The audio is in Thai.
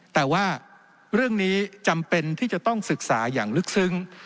แต่ว่าเรื่องนี้จำเป็นที่จะต้องศึกษาอย่างลึกซึ้ง